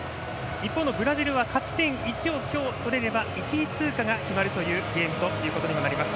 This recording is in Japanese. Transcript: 一方のブラジルは勝ち点１を今日取れれば１位通過が決まるというゲームということにもなります。